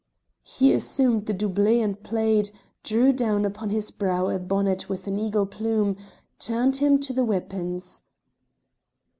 He assumed the doublet and plaid, drew down upon his brow a bonnet with an eagle plume; turned him to the weapons.